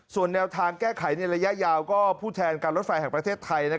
ส่วนแนวทางแก้ไขในระยะยาวก็ผู้แทนการรถไฟแห่งประเทศไทย